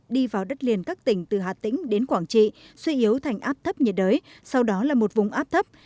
đi vào đất liền các tỉnh từ hà tĩnh đến quảng trị suy yếu thành áp thấp nhiệt đới sau đó là một vùng áp thấp